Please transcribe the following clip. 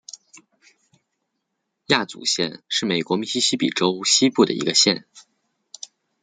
亚祖县是美国密西西比州西部的一个县。